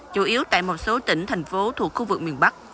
chủ yếu tại một số tỉnh thành phố thuộc khu vực miền bắc